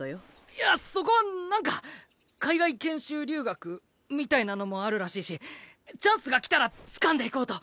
いやそこはなんか海外研修留学？みたいなのもあるらしいしチャンスが来たらつかんでいこうと。